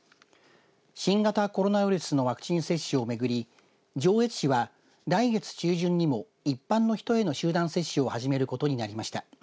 新型コロナウイルスのワクチン接種をめぐり上越市は、来月中旬にも一般の人への集団接種を始めることになりました。